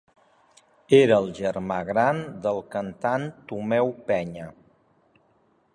Era el germà gran del cantant Tomeu Penya.